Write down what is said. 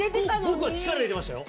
僕は力入れてましたよ。